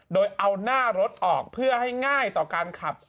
โดยเอาหน้ารถออกเพื่อให้ง่ายต่อการขับ